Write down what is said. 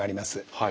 はい。